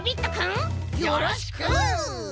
よろしく！